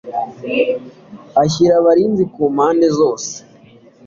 ashyira abarinzi ku mpande zose